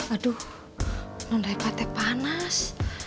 aduh non reva teh panas